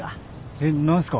えっ何すか？